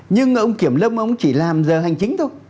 nhưng ông kiểm lâm ông chỉ làm giờ hành chính thôi